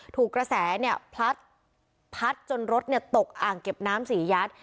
ถูกกระแสพัดจนรถตกอ่างเก็บน้ำสี่ยัด